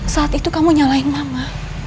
saat itu kamu nyalahin mama